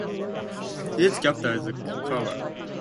Its capital is Calabar.